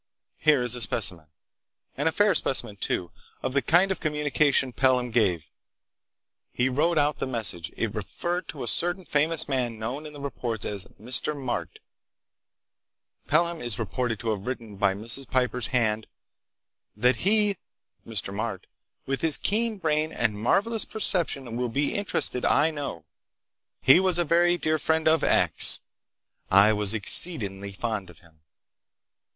Here is a specimen—and a fair specimen, too—of the kind of communication Pelham gave. He wrote out the message. It referred to a certain famous man known in the reports as Mr. Marte. Pelham is reported to have written by Mrs. Piper's hand: "That he (Mr. Marte), with his keen brain and marvelous perception, will be interested, I know. He was a very dear friend of X. I was exceedingly fond of him.